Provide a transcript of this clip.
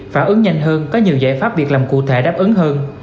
phản ứng nhanh hơn có nhiều giải pháp việc làm cụ thể đáp ứng hơn